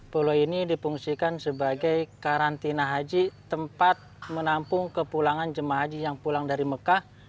pulau ini dipungsikan sebagai karantina haji tempat menampung kepulangan jemaah haji yang pulang dari mekah